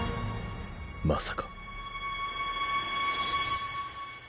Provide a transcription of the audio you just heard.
まさか